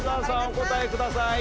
お答えください。